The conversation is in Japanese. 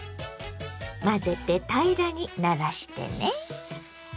混ぜて平らにならしてね。